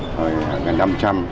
hồi hàng năm trăm